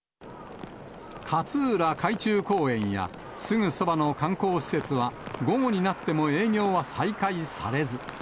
勝浦海中公園や、すぐそばの観光施設は、午後になっても営業は再開されず。